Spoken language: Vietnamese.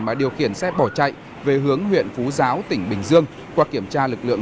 mà điều khiển xe bỏ chạy về hướng huyện phú giáo tỉnh bình dương qua kiểm tra lực lượng